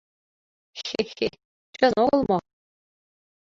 Х-хе-хе, чын огыл мо?